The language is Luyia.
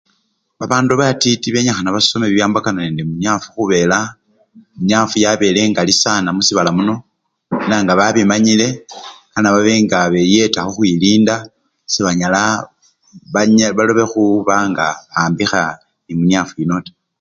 Babandu batiti benyikhana basome bibiwambakana ne munyafu khubela munyafu yabele engali sana musibala muno mala nga babimanyile kane babe nga beyeta khukhwilinda sebanyala bany!a khu! balobe khuba nga bawambikha nemunyafu yuno taa.